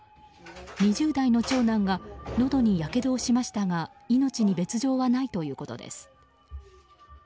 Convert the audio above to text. ２０代の長男がのどにやけどをしましたが命に別条はないということです。